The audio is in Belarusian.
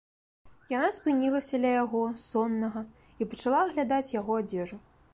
Яна спынілася ля яго, соннага, і пачала аглядаць яго адзежу.